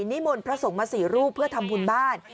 นิมนต์พระส่งมาสี่รูปเพื่อทำพุนบ้าน